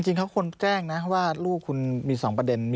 จริงเขาควรแจ้งนะว่าลูกคุณมี๒ประเด็น